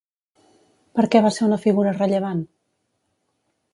Per què va ser una figura rellevant?